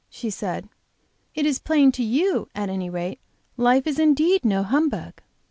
she said. "It is plain that to you, at any rate, life is indeed no humbug."